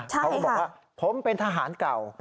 เขาก็บอกว่าผมเป็นทหารเก่า